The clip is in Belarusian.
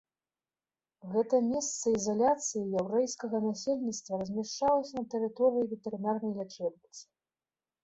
Гэта месца ізаляцыі яўрэйскага насельніцтва размяшчалася на тэрыторыі ветэрынарнай лячэбніцы.